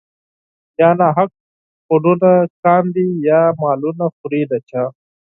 يا ناحق خونونه کاندي يا مالونه خوري د چا